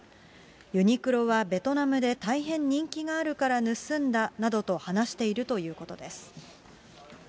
ユニクロはベトナムで大変人気があるから盗んだなどと話しているということです。